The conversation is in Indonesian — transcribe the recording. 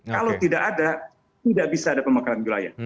kalau tidak ada tidak bisa ada pemekaran wilayah